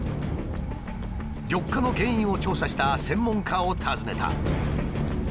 緑化の原因を調査した専門家を訪ねた。